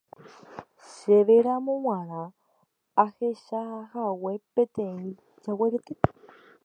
Chéveramo g̃uarã ahechahague peteĩ jaguarete